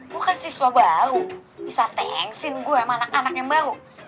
gue kan siswa baru bisa thanks in gue sama anak anak yang baru